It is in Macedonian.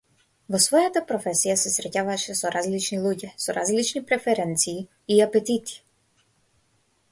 Во својата професија се среќаваше со различни луѓе, со различни преференции и апетити.